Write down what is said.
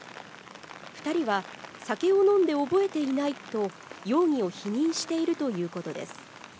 ２人は酒を飲んで覚えていないと容疑を否認しているということです。